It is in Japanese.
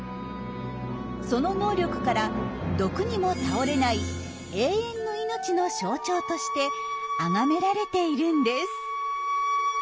その能力から毒にも倒れない永遠の命の象徴として崇められているんです。